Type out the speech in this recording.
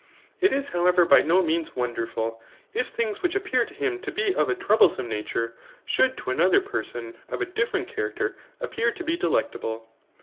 It is, however, by no means wonderful, if things which appear to him to be of a troublesome na ture, should to another person [of a different character,3 appear to be delectable.